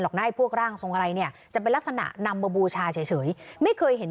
ไม่อยากให้แม่เป็นอะไรไปแล้วนอนร้องไห้แท่ทุกคืน